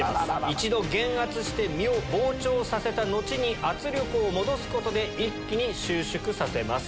一度減圧して身を膨張させた後に圧力を戻すことで一気に収縮させます。